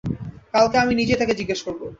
কালকে আমি নিজেই তাকে জজ্ঞাসা করব।